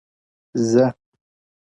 • زه؛